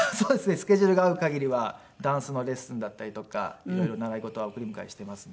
スケジュールが合うかぎりはダンスのレッスンだったりとか色々習い事は送り迎えしていますね。